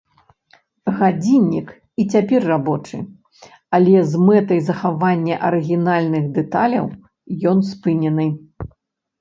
Гадзіннік і цяпер рабочы, але з мэтай захавання арыгінальных дэталяў ён спынены.